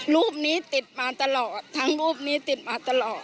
รูปนี้ติดมาตลอดทั้งรูปนี้ติดมาตลอด